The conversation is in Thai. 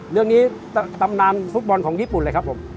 เรื่องนี้ตำนานฟุตบอลของญี่ปุ่นเลยครับผม